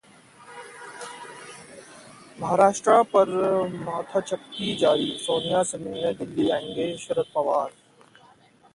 महाराष्ट्र पर माथापच्ची जारी, सोनिया से मिलने दिल्ली आएंगे शरद पवार